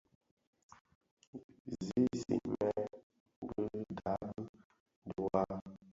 Zi isigmèn bidaabi dhiwa.